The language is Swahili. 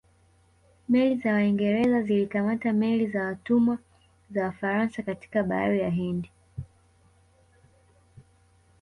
Meli za Waingereza zilikamata meli za watumwa za Wafaransa katika bahari ya Hindi